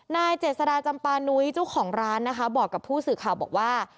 นายเจษฎาจำปานุ้ยเจ้าของร้านนะคะบอกกับผู้สื่อข่าวบอกว่า